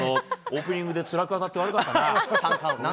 オープニングでつらく当たって悪かったな。